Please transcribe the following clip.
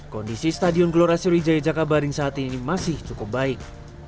kondisi stadion gelora sriwijaya jakabaring saat ini masih cukup baik